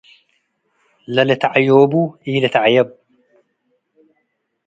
ለልትዐዮቡ ኢልትዐየብ።